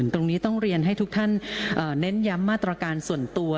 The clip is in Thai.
ตรงนี้ต้องเรียนให้ทุกท่านเน้นย้ำมาตรการส่วนตัว